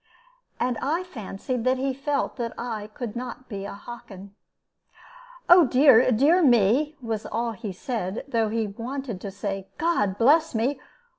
And I fancied that he felt that I could not be a Hockin. "Oh, dear, dear me!" was all he said, though he wanted to say, "God bless me!"